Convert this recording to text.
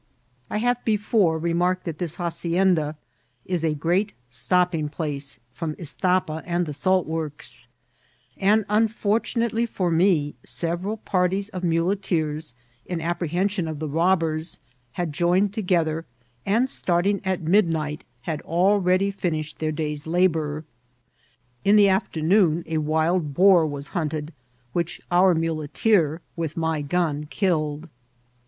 I have before remarked that this hacienda is a great stopping place from Isti^a and the salt works ; and un fortunately for me, several parties of muleteers, in ap prehension of the robbers, had joined togedier, and starting at midnight, had already finished their day's labour. In the afternoon a wild boar was hunted, which our muleteer, with my gun, killed.